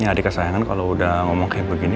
ya adik kesayangan kalo udah ngomong kayak begini